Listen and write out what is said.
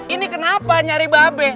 ini kenapa nyari babe